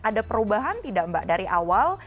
ada perubahan tidak mbak dari awal